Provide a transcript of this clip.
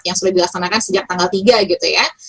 yang sudah dilaksanakan sejak tanggal tiga gitu ya